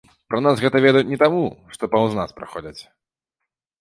Пра нас гэта ведаюць не таму, што паўз нас праходзяць.